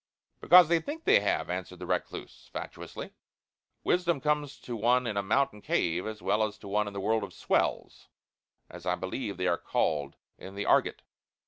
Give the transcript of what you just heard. "Because they think they have," answered the recluse, fatuously. "Wisdom comes to one in a mountain cave as well as to one in the world of 'swells,' as I believe they are called in the argot."